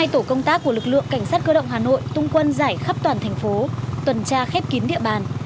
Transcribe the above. hai tổ công tác của lực lượng cảnh sát cơ động hà nội tung quân giải khắp toàn thành phố tuần tra khép kín địa bàn